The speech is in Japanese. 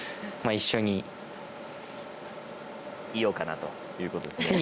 一緒にいようかなということですね。